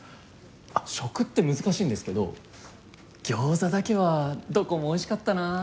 食って難しいんですけど餃子だけはどこもおいしかったなあ。